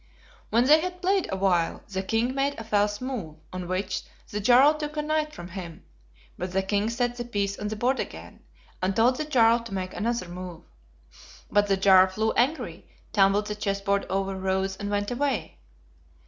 "When they had played a while, the King made a false move; on which the Jarl took a knight from him; but the King set the piece on the board again, and told the Jarl to make another move. But the Jarl flew angry, tumbled the chess board over, rose, and went away.